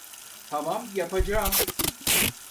Tamam, yapacağım.